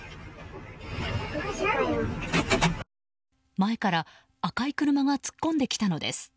前から赤い車が突っ込んできたのです。